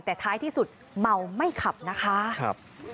แต่ท้ายที่สุดเมาไม่ขับนะคะ